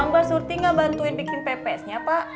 mbak surti nggak bantuin bikin pepesnya pak